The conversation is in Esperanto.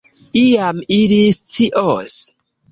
Iam ili scios.